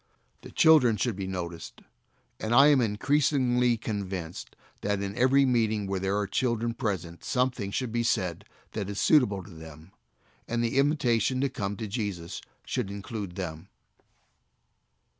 The children should be noticed; and I am increasingly convinced that in every meeting where there are children present something should be said that is suitable to them, and the invitation to come to Jesus should include them.